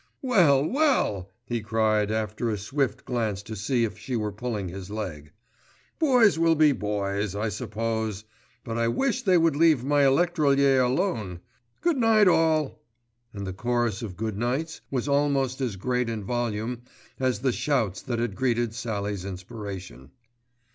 "Well, well," he cried after a swift glance to see if she were pulling his leg, "Boys will be boys I suppose; but I wish they would leave my electrolier alone. Good night all," and the chorus of "good nights" was almost as great in volume as the shouts that had greeted Sallie's inspiration.